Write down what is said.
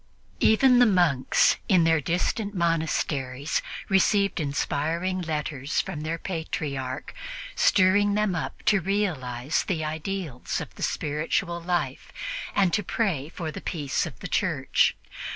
Even the monks in their distant monasteries received inspiring letters from their Patriarch, stirring them up to realize the ideals of the spiritual life and to pray for the peace of the Church.